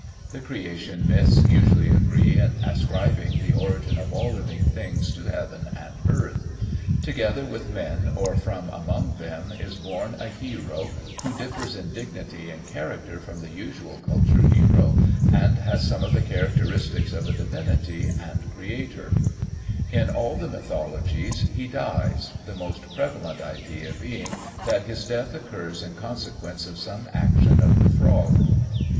The creation myths usually agree in ascribing the origin of all living things to heaven and earth. Together with men or from among them is born a hero who differs in dignity and character from the usual culture hero and has some of the characteristics of a divinity VOL. 2.] Kroeber. Types of Indian Culture in California. 101 and creator. In all the mythologies he dies, the most prevalent idea being that his death occurs in consequence of some action of the Frog.